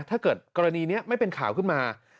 ถ้าเกิดกรณีนี้ไม่เป็นข่าวขึ้นมา